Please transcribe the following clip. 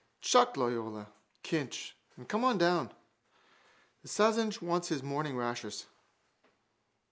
Chuck Loyola, Kinch, and come on down. The Sassenach wants his morning rashers.